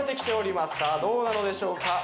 さあどうなのでしょうか？